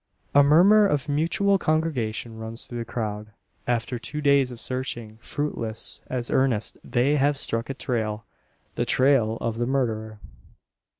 A murmur of mutual congratulation runs through the crowd. After two days of searching fruitless, as earnest they have struck a trail, the trail of the murderer!